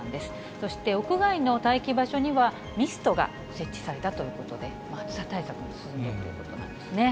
そして屋外の待機場所には、ミストが設置されたということで、暑さ対策も進んでいるということなんですね。